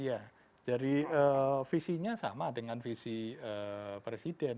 iya jadi visinya sama dengan visi presiden